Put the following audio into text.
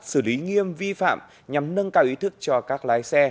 xử lý nghiêm vi phạm nhằm nâng cao ý thức cho các lái xe